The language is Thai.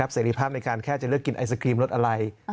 เสร็จภาพในการแค่จะเลือกกินไอศครีมรสอะไร